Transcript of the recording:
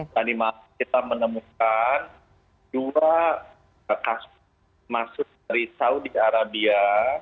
tadi kita menemukan dua kasus dari saudi arabia